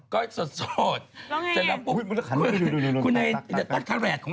ก็ใดเองก็ตายแล้วกัน